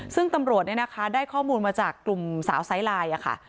ซึ่งตำรวจเนี่ยนะคะได้ข้อมูลมาจากกลุ่มสาวไซส์ไลน์ค่ะ